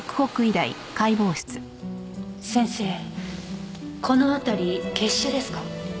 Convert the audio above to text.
先生この辺り血腫ですか？